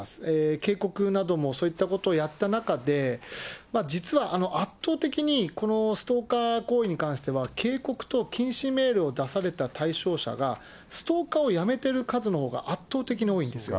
警告なども、そういったことをやった中で、実は圧倒的に、このストーカー行為に関しては警告と禁止命令を出された対象者が、ストーカーをやめてる数のほうが圧倒的に多いんです。